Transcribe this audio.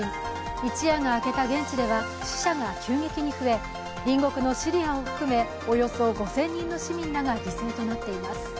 一夜が明けた現地では死者が急激に増え隣国のシリアを含めおよそ５０００人の市民らが犠牲になっています。